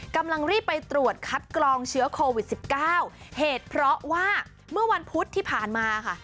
กำลังรีบไปตรวจคัดกรองเชื้อโควิดสิบเก้าเหตุเพราะว่าเมื่อวันพุธที่ผ่านมาค่ะ